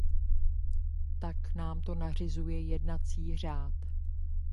Tak nám to nařizuje jednací řád.